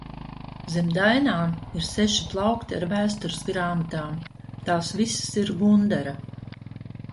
Zem dainām ir seši plaukti ar vēstures grāmatām, tās visas ir Gundara.